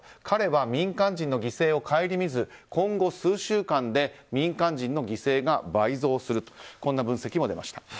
彼は民間人の犠牲を顧みず今後数週間で民間人の犠牲が倍増するという分析も出ました。